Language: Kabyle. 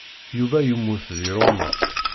Yuba yemmut deg Roma.